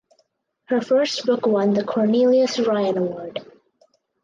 Her first book won the Cornelius Ryan Award.